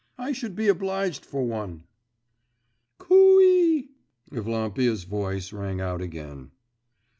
I should be obliged for one!' 'Coo y!' Evlampia's voice rang out again.